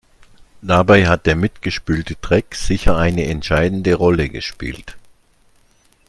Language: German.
Dabei hat der mitgespülte Dreck sicher eine entscheidende Rolle gespielt.